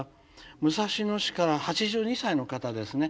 武蔵野市から８２歳の方ですね。